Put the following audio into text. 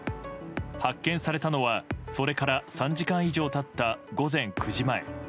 発見されたのは、それから３時間以上経った午前９時前。